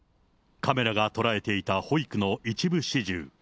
カメラが捉えていた保育の一部始終。